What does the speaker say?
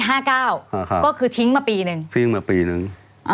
ค่ะค่ะก็คือทิ้งมาปีหนึ่งทิ้งมาปีหนึ่ง